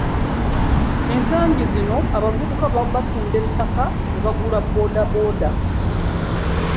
Ensangi zino abavubuka batunda ettaka ne bagula bodaboda.